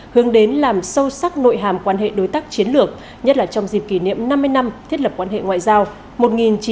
hướng đến làm sâu sắc nội hàm quan hệ đối tác chiến lược nhất là trong dịp kỷ niệm năm mươi năm thiết lập quan hệ ngoại giao một nghìn chín trăm bảy mươi ba hai nghìn hai mươi ba